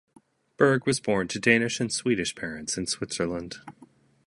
Berg was born to Danish and Swedish parents in Switzerland.